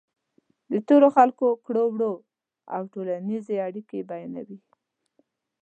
د تېرو خلکو کړو وړه او ټولنیزې اړیکې بیانوي.